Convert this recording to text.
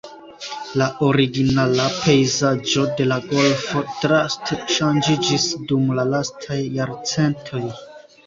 La originala pejzaĝo de la golfo draste ŝanĝiĝis dum la lastaj jarcentoj.